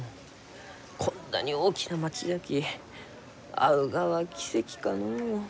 こんなに大きな町じゃき会うがは奇跡かのう。